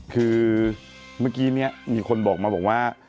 คือเมื่อกี้นี้มีคนบอกมาว่า